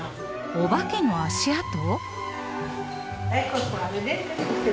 お化けの足跡？